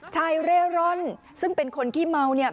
เร่ร่อนซึ่งเป็นคนขี้เมาเนี่ย